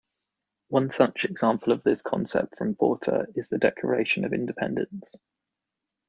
One such example of this concept from Porter is the Declaration of Independence.